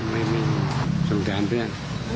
ไม่ต้องการเพื่อน